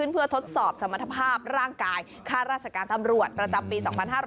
เพื่อทดสอบสมรรถภาพร่างกายค่าราชการตำรวจประจำปี๒๕๕๙